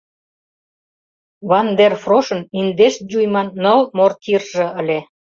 Ван дер Фрошын индеш дюйман ныл мортирже ыле.